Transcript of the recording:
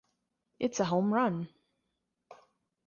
It's a home run!